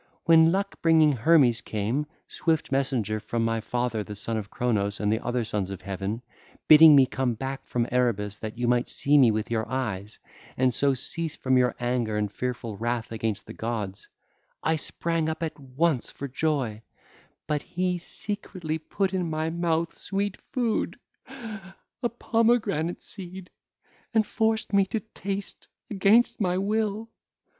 When luck bringing Hermes came, swift messenger from my father the Son of Cronos and the other Sons of Heaven, bidding me come back from Erebus that you might see me with your eyes and so cease from your anger and fearful wrath against the gods, I sprang up at once for joy; but he secretly put in my mouth sweet food, a pomegranate seed, and forced me to taste against my will.